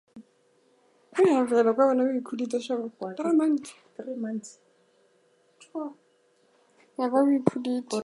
Their dorsum is convex, lightly colored without cross striations.